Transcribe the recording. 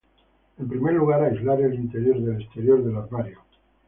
En primer lugar aislar el interior del exterior del armario.